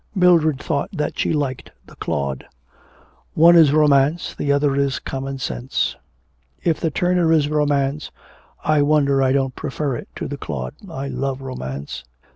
Mildred thought that she liked the Claude. 'One is romance, the other is common sense.' 'If the Turner is romance, I wonder I don't prefer it to the Claude. I love romance.'